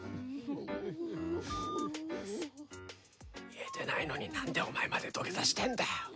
見えてないのになんでお前まで土下座してんだよ。